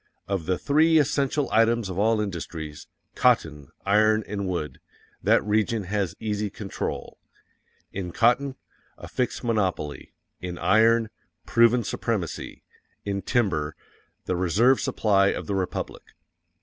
_ Of the three essential items of all industries cotton, iron and wood that region has easy control. _IN COTTON, a fixed monopoly IN IRON, proven supremacy IN TIMBER, the reserve supply of the Republic.